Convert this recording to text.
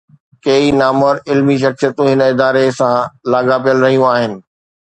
ڪيئي نامور علمي شخصيتون هن اداري سان لاڳاپيل رهيون آهن.